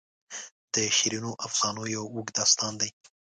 د شیرینو افسانو یو اوږد داستان دی.